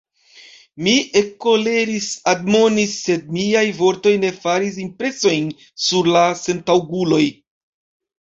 Mi ekkoleris, admonis, sed miaj vortoj ne faris impresojn sur la sentaŭguloj.